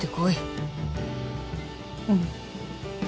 うん。